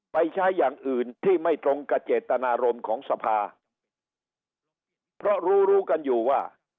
ไปใช้อย่างอื่นที่ไม่ตรงกับเจตนารมณ์ของสภาเพราะรู้รู้กันอยู่ว่า